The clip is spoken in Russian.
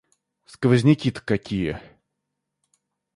Сквозняки-то какие!